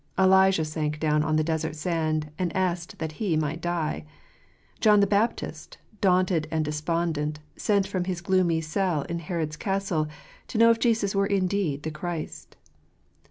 Elijah sank down on the desert sand, and asked that he might die. John the ' Baptist, daunted and despondent, sent from his gloomy cell in Herod's castle to know if Jesus were indeed the Christ.